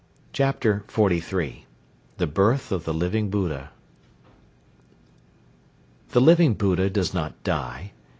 CHAPTER XLIII THE BIRTH OF THE LIVING BUDDHA The Living Buddha does not die.